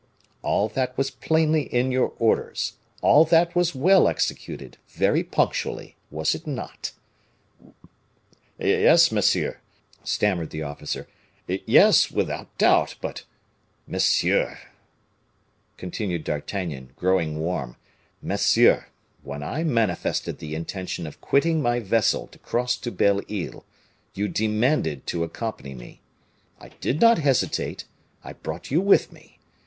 All that was plainly in your orders, all that was well executed, very punctually, was it not?" "Yes, monsieur," stammered the officer; "yes, without doubt, but " "Monsieur," continued D'Artagnan, growing warm "monsieur, when I manifested the intention of quitting my vessel to cross to Belle Isle, you demanded to accompany me; I did not hesitate; I brought you with me.